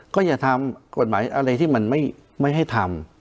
ก็อย่าทำกฎหมายอะไรที่มันไม่ให้ทำ